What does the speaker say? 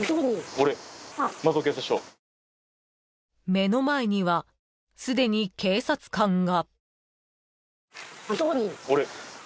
［目の前にはすでに警察官が］